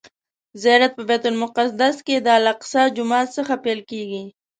زیارت په بیت المقدس کې د الاقصی جومات څخه پیل کیږي.